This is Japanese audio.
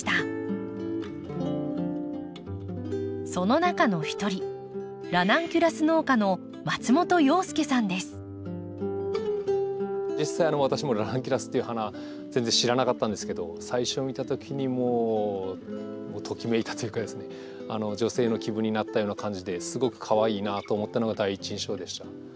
その中の一人ラナンキュラス農家の実際私もラナンキュラスっていう花全然知らなかったんですけど最初見たときにもうときめいたというかですね女性の気分になったような感じですごくかわいいなと思ったのが第一印象でした。